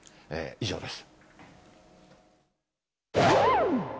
以上です。